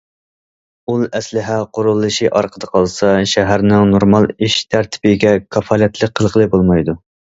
ئۇل ئەسلىھە قۇرۇلۇشى ئارقىدا قالسا، شەھەرنىڭ نورمال ئىش تەرتىپىگە كاپالەتلىك قىلغىلى بولمايدۇ.